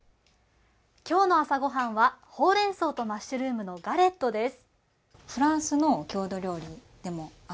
今日の朝御飯はほうれん草とマッシュルームのガレットです。